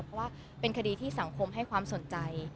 เพราะว่าเป็นคดีที่สังคมให้ความสนใจ